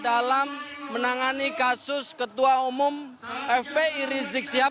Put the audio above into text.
dalam menangani kasus ketua umum fpi rizik sihab